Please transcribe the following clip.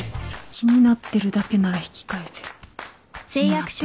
気になってるだけなら引き返せる。